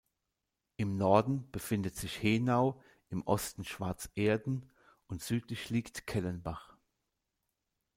Im Norden befindet sich Henau, im Osten Schwarzerden und südlich liegt Kellenbach.